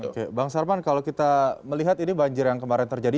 oke bang sarman kalau kita melihat ini banjir yang kemarin terjadi